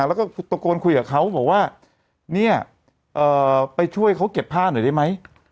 แล้วก็ตะโกนคุยกับเขาบอกว่าเนี่ยไปช่วยเขาเก็บผ้าหน่อยได้ไหม